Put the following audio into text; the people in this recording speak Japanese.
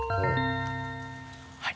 はい。